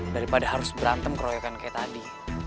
daripada harus berantem keroyokan kayak tadi